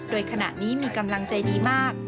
โดยขณะนี้มีกำลังใจดีมาก